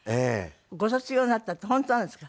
ご卒業になったって本当なんですか？